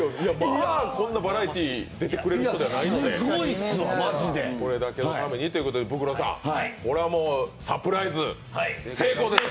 バラエティー、出てくれる人ではないのでこれだけのためにということで、ブクロさん、サプライズ成功です！